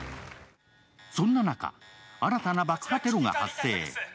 そんな中、新たな爆破テロが発生。